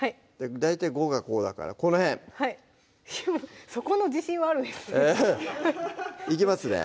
大体５がこうだからこの辺そこの自信はあるんですねいきますね